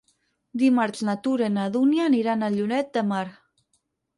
Dimarts na Tura i na Dúnia aniran a Lloret de Mar.